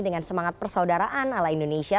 dengan semangat persaudaraan ala indonesia